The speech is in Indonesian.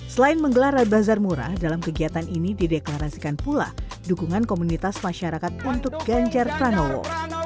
selain menggelar bazar murah dalam kegiatan ini dideklarasikan pula dukungan komunitas masyarakat untuk ganjar pranowo